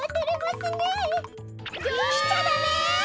きちゃダメ！